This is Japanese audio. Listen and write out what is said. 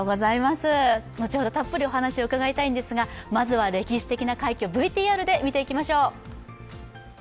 後ほどたっぷりお話を伺いたいんですが、まずは歴史的な快挙、ＶＴＲで見ていきましょう。